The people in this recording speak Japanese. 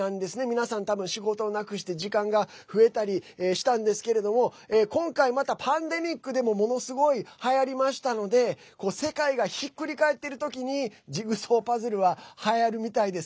皆さん多分、仕事をなくして時間が増えたりしたんですけども今回また、パンデミックでもものすごい、はやりましたので世界がひっくり返ってる時にジグソーパズルははやるみたいです。